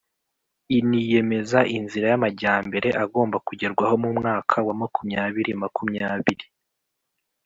iniyemeza inzira y'amajyambere agomba kugerwaho mu mwaka wa makumyabiri makumyabiri